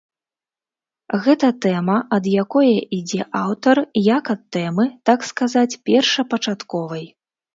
Гэта тэма, ад якое ідзе аўтар, як ад тэмы, так сказаць, першапачатковай.